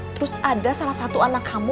terus ada salah satu anak kamu